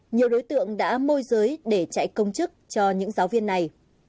nhiều đối tượng đã môi giới để chạy công chức cho những giáo viên này